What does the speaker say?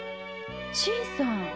新さん。